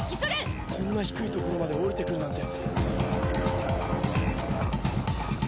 「こんな低い所まで下りてくるなんて」